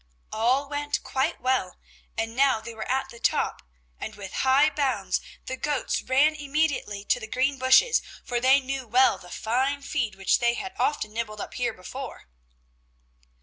All went quite well and now they were at the top, and with high bounds the goats ran immediately to the green bushes, for they knew well the fine feed which they had often nibbled up here before.